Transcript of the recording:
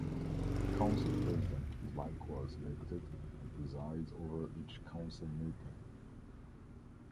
The Council President is likewise selected and presides over each council meeting.